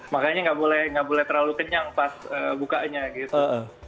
makanya nggak boleh terlalu kenyang pas bukanya gitu